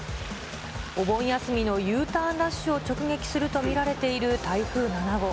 お盆休みのＵターンラッシュを直撃すると見られている台風７号。